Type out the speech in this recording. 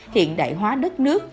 hiện đại hóa đất nước